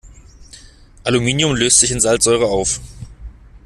Aluminium löst sich in Salzsäure auf.